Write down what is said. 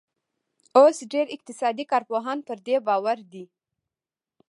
اوس ډېر اقتصادي کارپوهان پر دې باور دي.